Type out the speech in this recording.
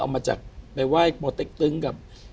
เอามาจากไปไหว้โปรเต็กตึงกับ